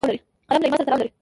قلم له ایمان سره تړاو لري